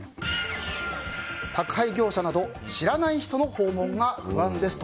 宅配業者など知らない人の訪問が不安ですと。